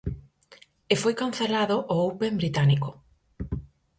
E foi cancelado o Open Británico.